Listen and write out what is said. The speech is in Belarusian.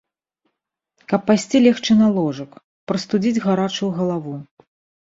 Каб пайсці легчы на ложак, прастудзіць гарачую галаву.